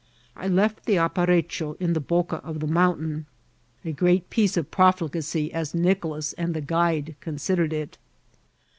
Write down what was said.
I left the appare* cho in the boca of the mountain : a great piece of profligacy, as Nicolas and the guide considered it.